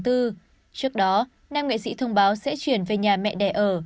trước đó nam nghệ sĩ thông báo sẽ chuyển về nhà mẹ đẻ ở